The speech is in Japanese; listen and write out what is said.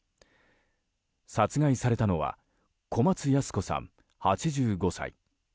殺害されたのは小松ヤス子さん、８５歳。